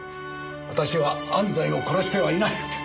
私は安西を殺してはいない。